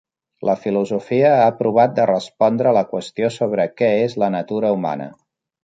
La filosofia ha provat de respondre la qüestió sobre què és la natura humana.